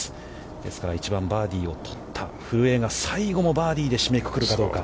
ですから、１番バーディーをとった古江が最後もバーディーで締めくくるかどうか。